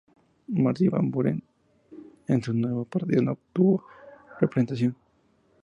Martin Van Buren, en su nuevo partido, no obtuvo representación.